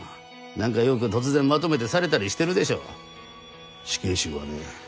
何かよく突然まとめてされたりしてるでしょ死刑囚はね